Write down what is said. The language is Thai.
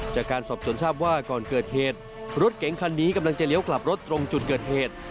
จากการสอบสวนทราบว่าก่อนเกิดเหตุรถเก๋งคันนี้กำลังจะเลี้ยวกลับรถตรงจุดเกิดเหตุ